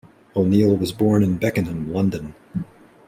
O'Neil was born in Beckenham, London.